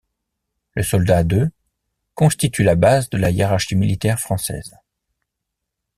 Le soldat de constitue la base de la hiérarchie militaire française.